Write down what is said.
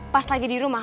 pas lagi di rumah